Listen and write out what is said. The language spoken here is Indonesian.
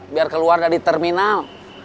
biar keluar dari terminal